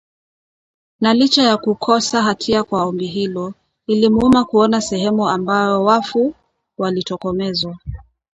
Na licha ya kukosa hatia kwa ombi hilo, ilimuuma kuona sehemu ambayo wafu walitokomezwa